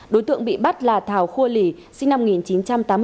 đối tượng bị bắt là thảo khua lì sinh năm một nghìn chín trăm ba mươi sáu